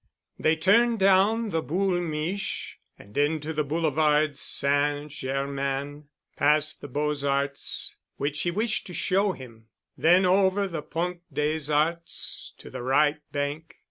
They turned down the Boul' Miche' and into the Boulevard St. Germain, past the Beaux Arts which she wished to show him, then over the Pont des Arts to the Right Bank.